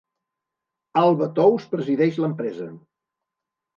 Alba Tous presideix l'empresa.